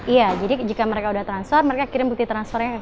iya jadi jika mereka sudah transfer mereka kirim bukti transfernya ke kita